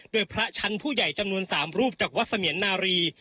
โดยพระชั้นผู้ใหญ่จำนวน๓รูปจากวัดเสมียนนารี